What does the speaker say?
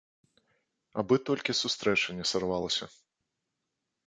Абы толькі сустрэча не сарвалася.